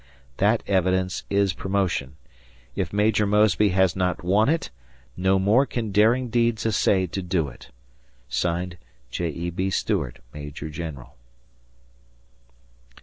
That evidence is promotion. If Major Mosby has not won it, no more can daring deeds essay to do it ... J. E. B. Stuart, Major General.